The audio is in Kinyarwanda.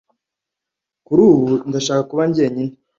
Kuri ubu, ndashaka kuba njyenyine.